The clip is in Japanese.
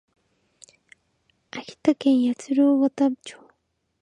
秋田県八郎潟町